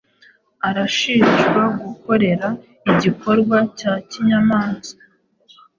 arashinjwa gukorera igikorwa cya kinyamaswa